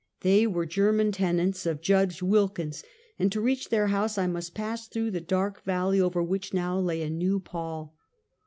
They were German tenants of Judge Wilkins, and to reach their house I must pass through the dark valley over which now lay a new pall.